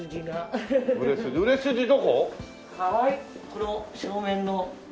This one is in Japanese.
この正面の。